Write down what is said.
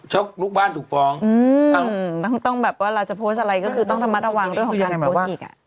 ช่วงลูกบ้านถูกฟ้องอืมต้องต้องแบบว่าเราจะโพสต์อะไรก็คือต้องทำมาตะวางด้วยของการโพสต์อีกอ่ะ